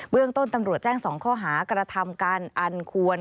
เรื่องต้นตำรวจแจ้ง๒ข้อหากระทำการอันควร